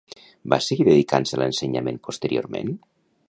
Va seguir dedicant-se a l'ensenyament posteriorment?